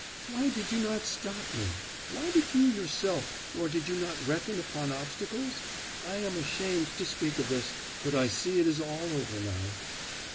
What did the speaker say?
'Why did you not stop me? Why did you yourself or did you not reckon upon obstacles? I am ashamed to speak of this but I see it is all over now.